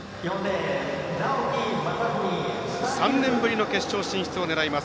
３年ぶりの決勝進出を狙います